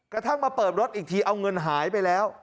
กระทั่งมาเปิดรถอีกทีเอาเงินหายไปแล้ว